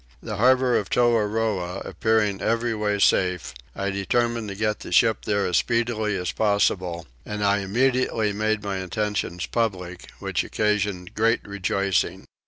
The harbour of Toahroah appearing every way safe I determined to get the ship there as speedily as possible, and I immediately made my intention public, which occasioned great rejoicing.